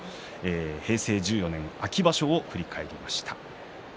平成１４年秋場所を振り返りました。